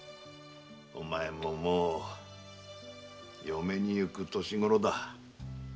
お前ももう嫁に行く年ごろだ。